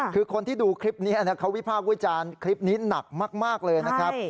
คือคนที่ดูคลิปนี้เขาวิพากษ์วิจารณ์คลิปนี้หนักมากเลยนะครับ